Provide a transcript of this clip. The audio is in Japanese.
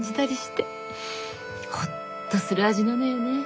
ほっとする味なのよね。